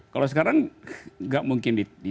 kalau sekarang enggak mungkin di